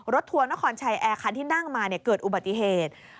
ทัวร์นครชัยแอร์คันที่นั่งมาเกิดอุบัติเหตุ